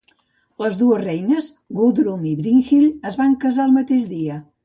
Les dues reines, Gudrun i Brynhild, es van casar el mateix dia.